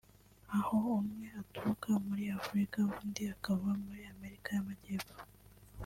aho umwe aturuka muri Afurika undi akava muri Amerika y’Amajyepfo